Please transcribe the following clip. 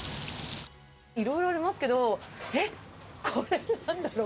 いろいろありますけど、えっ、これなんだろう？